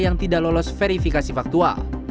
yang tidak lolos verifikasi faktual